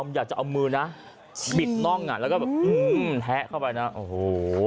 อยากจะเอามือนะบิดน่องอ่ะแล้วก็แบบแทะเข้าไปนะโอ้โห